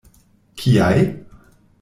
Kiaj?